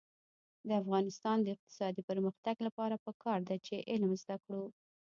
د افغانستان د اقتصادي پرمختګ لپاره پکار ده چې علم زده کړو.